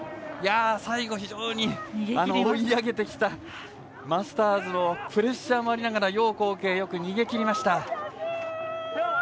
最後、非常に追い上げてきたマスターズのプレッシャーもありながら楊洪瓊、よく逃げ切りました。